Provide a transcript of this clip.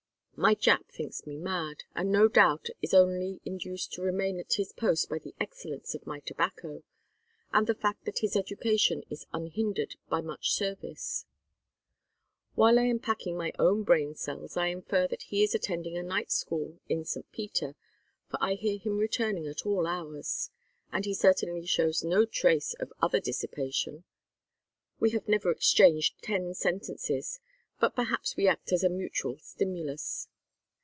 My Jap thinks me mad, and no doubt is only induced to remain at his post by the excellence of my tobacco, and the fact that his education is unhindered by much service. While I am packing my own brain cells I infer that he is attending a night school in St. Peter, for I hear him returning at all hours; and he certainly shows no trace of other dissipation. We have never exchanged ten sentences, but perhaps we act as a mutual stimulus."